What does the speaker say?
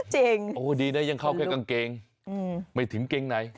จริงโอ้โหดีนะยังเข้าแค่กางเกงไม่ถิ่มเกงใน